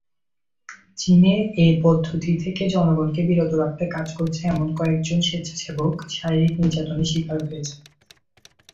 চীনে এই পদ্ধতি থেকে জনগণকে বিরত রাখতে কাজ করছে এমন কয়েকজন স্বেচ্ছাসেবক শারীরিক নির্যাতনের শিকার হয়েছেন।